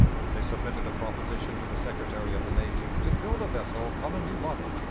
They submitted a proposition to the Secretary of the Navy to build a vessel on a new model.